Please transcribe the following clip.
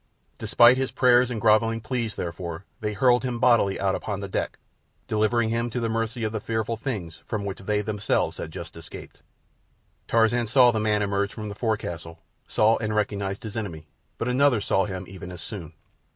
Despite his prayers and grovelling pleas, therefore, they hurled him bodily out upon the deck, delivering him to the mercy of the fearful things from which they had themselves just escaped. Tarzan saw the man emerge from the forecastle—saw and recognized his enemy; but another saw him even as soon.